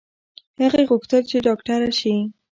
هغې غوښتل چې ډاکټره شي